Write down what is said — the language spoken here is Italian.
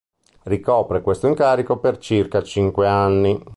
Ricopre questo incarico per circa cinque anni.